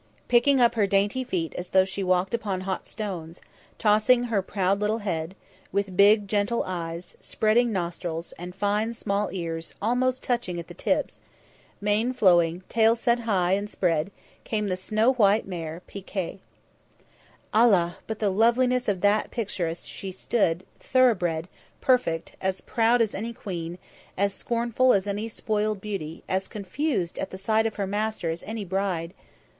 Picking up her dainty feet as though she walked upon hot stones, tossing her proud little head, with big, gentle eyes, spreading nostrils and fine small ears almost touching at the tips, mane flowing, tail set high and spread, came the snow white mare, Pi Kay. Allah! but the loveliness of that picture as she stood, thoroughbred, perfect, as proud as any queen, as scornful as any spoiled beauty, as confused at the sight of her master as any bride!